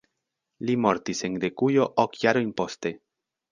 Li mortis en Grekujo ok jarojn poste.